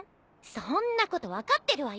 そんなこと分かってるわよ。